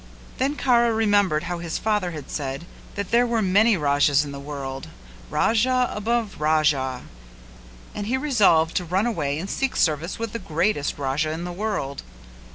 Then Kara remembered how his father had said that there were many Rajas in the world, Raja above Raja, and he resolved to run away and seek service with the greatest Raja in the world.